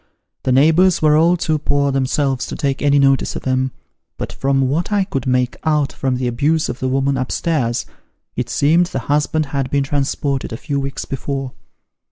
The neighbours were all too poor themselves to take any notice of 'em, but from what I could make out from the abuse of the woman up stairs, it seemed the husband had been transported a few weeks before.